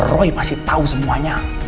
roy pasti tau semuanya